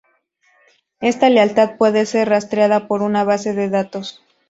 Esta lealtad puede ser rastreada por una base de datos.